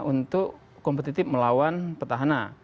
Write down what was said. untuk kompetitif melawan petahana